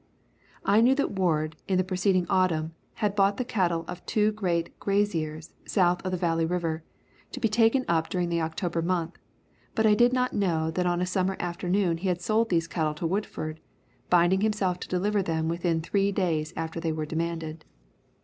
I knew that Ward in the preceding autumn had bought the cattle of two great graziers south of the Valley River, to be taken up during the October month, but I did not know that on a summer afternoon he had sold these cattle to Woodford, binding himself to deliver them within three days after they were demanded.